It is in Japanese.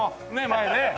前ね。